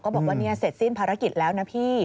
บอกว่าเนี่ยเสร็จสิ้นภารกิจแล้วนะพี่